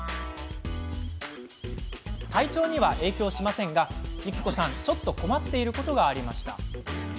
体調には影響しませんがゆきこさん、ちょっと困っていることがありました。